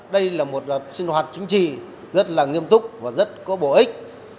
đây là một sinh hoạt chính trị rất là nghiêm túc và rất có bổ ích